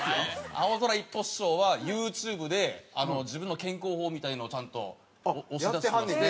青空一歩師匠はＹｏｕＴｕｂｅで自分の健康法みたいなのをちゃんと押し出してまして。